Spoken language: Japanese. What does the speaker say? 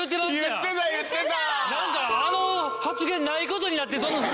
言ってた言ってた！